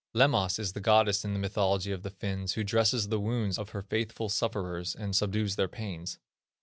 Lemmas is a goddess in the mythology of the Finns who dresses the wounds of her faithful sufferers, and subdues their pains.